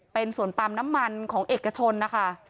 เป็นสวนปาล์มน้ำมันของเอกชนนะคะ